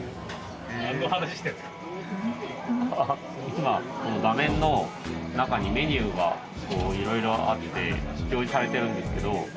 今この画面の中にメニューが色々あって表示されてるんですけど。